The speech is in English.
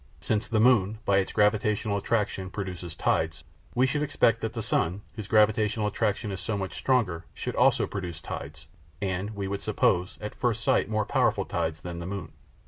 Since the moon, by its gravitational attraction, produces tides, we should expect that the sun, whose gravitational attraction is so much stronger, should also produce tides and, we would suppose at first sight, more powerful tides than the moon.